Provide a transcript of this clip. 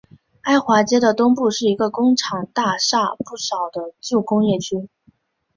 埃华街的东部是一个工厂大厦不少的旧工业区。